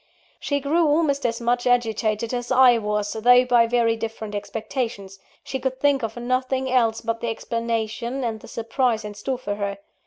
She grew almost as much agitated as I was, though by very different expectations she could think of nothing else but the explanation and the surprise in store for her.